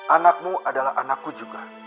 anakmu adalah anakku juga